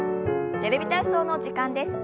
「テレビ体操」の時間です。